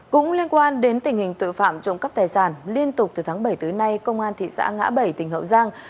cũng liên quan đến tình hình tội phạm trộm cắp tài sản liên tục từ tháng bảy tới nay công an thị xã ngã bảy tỉnh hậu giang